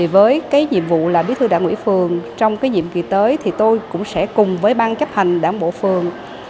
với cái nhiệm vụ là bí thư đảng ủy phường trong nhiệm kỳ tới thì tôi cũng sẽ cùng với ban chấp hành đảng bộ phường